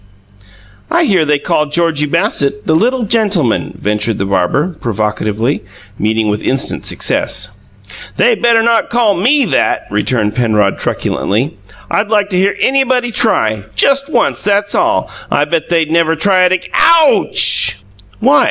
"I hear they call Georgie Bassett the 'little gentleman,'" ventured the barber, provocatively, meeting with instant success. "They better not call ME that," returned Penrod truculently. "I'd like to hear anybody try. Just once, that's all! I bet they'd never try it ag OUCH!" "Why?